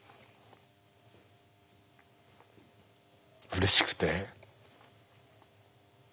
うれしくて。